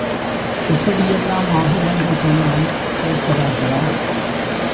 இப்படியெல்லாம் ஆகுமென்று சொன்னால் கேட்கிறார்களா?